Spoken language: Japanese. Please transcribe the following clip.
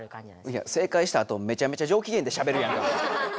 いや正解したあとめちゃめちゃ上きげんでしゃべるやんか。